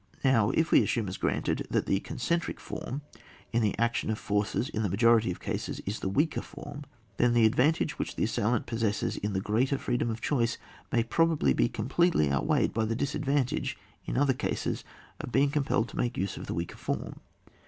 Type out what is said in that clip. Now if we assume as granted that the concentric form in the action of forces in the ma jority of cases is the weaker form, then the advantage which the assailant pos sesses in the greater freedom of choice may probably be completely outweighed by the disadvantage, in other cases, of being compelled to make use of the weaker form.